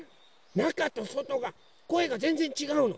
なかとそとがこえがぜんぜんちがうの。